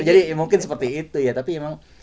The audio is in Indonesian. jadi mungkin seperti itu ya tapi emang